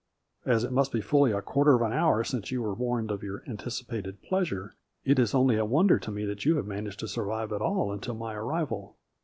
" As it must be fully a quarter of an hour since you were warned of your anticipated pleasure, it is only a wonder to me that you have managed to survive at all until my arrival.